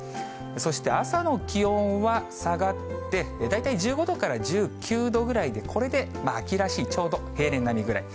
そして朝の気温は下がって、大体１５度から１９度ぐらいで、これで秋らしい、ちょうど平年並みぐらい。